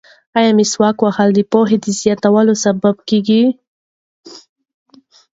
ایا مسواک وهل د پوهې د زیاتوالي سبب کیږي؟